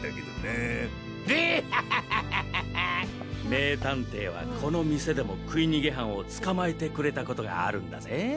名探偵はこの店でも食い逃げ犯を捕まえてくれたことがあるんだぜ？